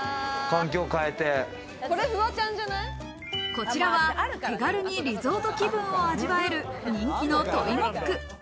こちらは手軽にリゾート気分を味わえる人気のトイモック。